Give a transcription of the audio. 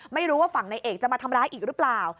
ไม่รู้ว่าฝั่งในเอกจะมาทำร้ายอีกหรือเปล่า